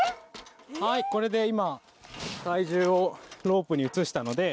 はいこれで今体重をロープに移したので。